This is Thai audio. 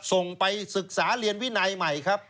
ส่งไปศึกษาเรียนวินัยใหม่ครับ